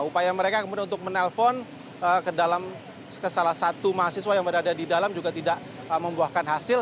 upaya mereka kemudian untuk menelpon ke salah satu mahasiswa yang berada di dalam juga tidak membuahkan hasil